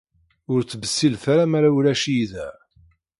Ur ttbessilet ara mara ulac-iyi da.